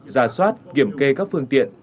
ra soát kiểm kê các phương tiện